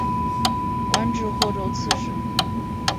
官至霍州刺史。